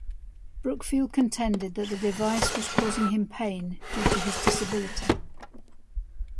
Brookfield contended that the device was causing him pain due to his disability.